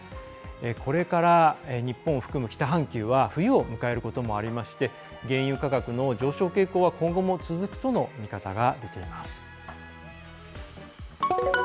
これから日本を含む北半球は冬を迎えることもありまして原油価格の上昇傾向は今後も続くとの見方が出ています。